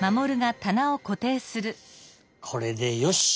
これでよし！